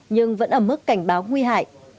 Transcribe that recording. nhưng vẫn ở mức cảnh báo nguy hại